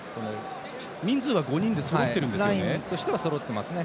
人数は５人でそろってるんですよね。